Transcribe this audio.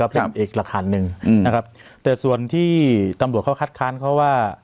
เป็นอีกหลักฐานหนึ่งนะครับแต่ส่วนที่ตำรวจเขาคัดค้านเขาว่า